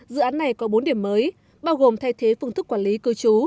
dự án này có bốn điểm mới bao gồm thay thế phương thức quản lý cư trú